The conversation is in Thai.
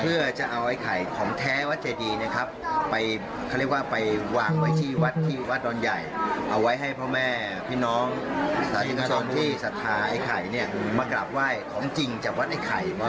เพื่อจะเอาไอ้ไข่ของแท้วัดเจดีนะครับไปเขาเรียกว่าไปวางไว้ที่วัดที่วัดดอนใหญ่เอาไว้ให้พ่อแม่พี่น้องสาธุชนที่ศรัทธาไอ้ไข่เนี่ยมากราบไหว้ของจริงจากวัดไอ้ไข่